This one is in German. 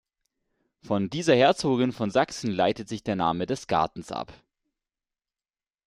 Von dieser Herzogin von Sachsen leitet sich der Name des Gartens ab.